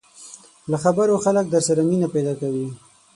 له خبرو خلک در سره مینه پیدا کوي